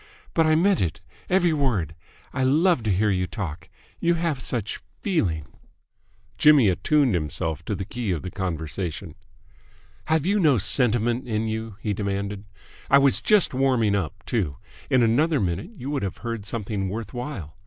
"But I meant it, every word. I love to hear you talk. You have such feeling!" Jimmy attuned himself to the key of the conversation. "Have you no sentiment in you?" he demanded. "I was just warming up, too! In another minute you would have heard something worth while.